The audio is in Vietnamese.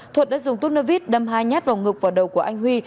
thuật đã dùng tút nơ vít đâm hai nhát vòng ngực vào đầu của anh huy